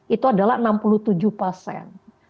itu adalah enam puluh tujuh pasien